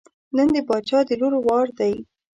نن د باچا د لور وار دی.